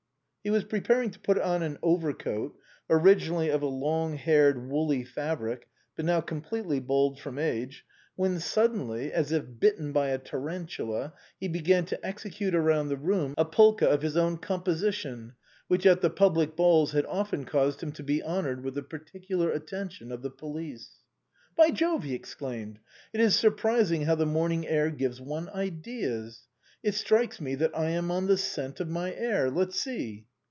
He was preparing to put on an overcoat, originally of a long haired, woolly fabric, but now completely bald from age, when suddenly, as if bitten by a tarantula, he began to execute around the room a polka of his own composition, HOW THE BOHEMIAN CLUB WAS FORMED. 3 which at the public balls had often caused him to be hon ored with the particular attention of the police. " By Jove !" he exclaimed, " it is surprising how the morning air gives one ideas! It strikes me that I am on the scent of my air. Let's see."